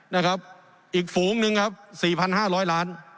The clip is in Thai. นะครับอีกฝูงหนึ่งครับสี่พันห้าร้อยล้าน